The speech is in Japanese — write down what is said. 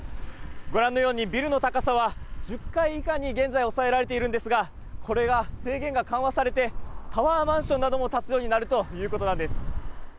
ご覧のようにビルの高さは１０階以下に現在抑えられているんですが、これが制限が緩和されて、タワーマンションなども建つようになるということなんです。